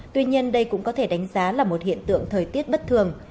tuy nhiên đây cũng có thể đánh giá là một hiện tượng thời tiết bất thường